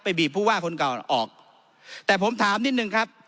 บีบผู้ว่าคนเก่าออกแต่ผมถามนิดนึงครับ